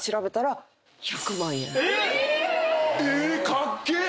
かっけえ！